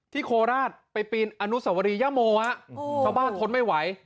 ที่โคลาสไปปีนอันุสวรียะโมะอู๋อู๋อันต้นไม่ไหว